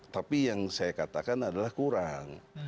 tapi yang saya katakan adalah kurang